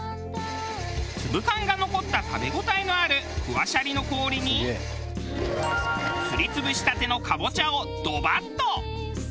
粒感が残った食べ応えのあるフワシャリの氷にすり潰したてのカボチャをドバッと！